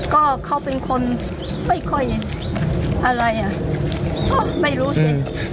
ก็เขาเป็นคนไม่ค่อยอะไรอ่ะก็ไม่รู้สิ